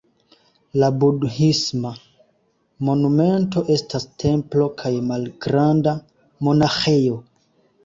La Budhisma monumento estas templo kaj malgranda monaĥejo.